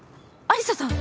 有沙さーん！